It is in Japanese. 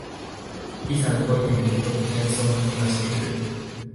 いざ動いてみるとやれそうな気がしてくる